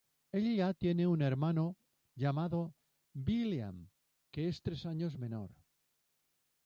Ella tiene un hermano llamado William, que es tres años menor.